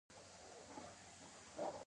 که څوک د بيمار تپوس ته ماښام لاړ شي؛